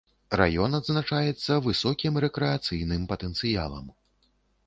Раён адзначаецца высокім рэкрэацыйным патэнцыялам.